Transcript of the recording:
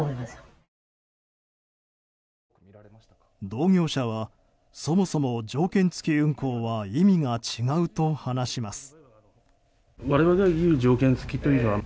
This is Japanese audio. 同業者はそもそも条件付き運航は意味が違うと話します。